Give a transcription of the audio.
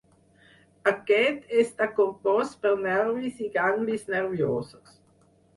Aquest està compost per nervis i ganglis nerviosos.